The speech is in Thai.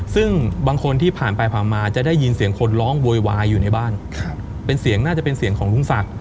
ซึ่งบางคนที่ผ่านไปผ่านมาจะได้ยินเสียงคนร้องโวยวายอยู่ในบ้านเป็นเสียงน่าจะเป็นเสียงของลุงศักดิ